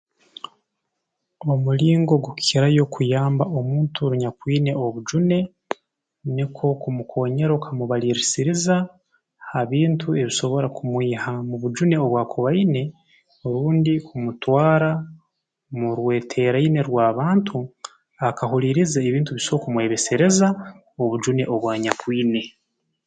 Omulingo ogukukirayo okuyamba omuntu oru nyakwine obujune nukwo kumukoonyera okamubaliisiriza ha bintu ebisobora kumwiha mu bujune obu akuba aine obundi kumutwara mu rweteeraine rw'abantu akahuliiriza ebintu bisobora kumwebesereza obujune obu anyakwine